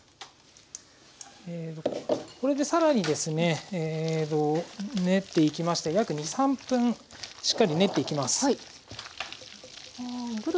これで更にですね練っていきまして約２３分しっかり練っていきます。